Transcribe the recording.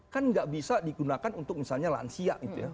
kan nggak bisa digunakan untuk misalnya lansia gitu ya